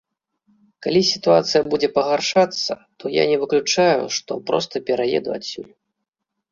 Калі сітуацыя будзе пагаршацца, то я не выключаю, што проста пераеду адсюль.